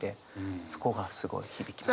そこがすごい響きました。